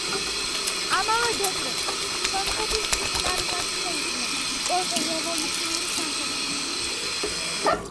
ამავე დეკრეტით სომხეთის წითელ არმიაში შეიქმნა კონტრრევოლუციური სამსახური.